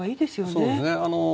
そうですね。